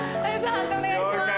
判定お願いします。